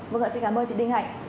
vâng ạ xin cảm ơn chị đinh hạnh